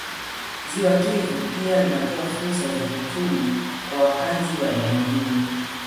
Ziwa Kivu pia linatoa fursa za kiuchumi kwa wakazi wa eneo hilo